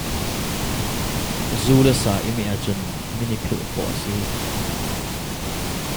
Zu le sa i meh ahcun min i philh khawh a si.